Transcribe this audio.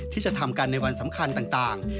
ที่จะทำกันในวันสำคัญต่าง